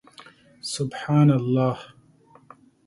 سبحان الله